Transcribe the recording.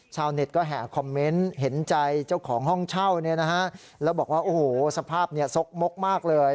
ชาวเน็ตก็แห่คอมเมนต์เห็นใจเจ้าของห้องเช่าเนี่ยนะฮะแล้วบอกว่าโอ้โหสภาพเนี่ยซกมกมากเลย